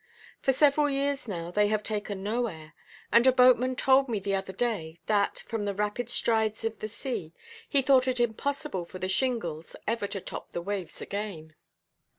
For several years now they have taken no air; and a boatman told me the other day, that, from the rapid strides of the sea, he thought it impossible for the "Shingles" ever to top the waves again.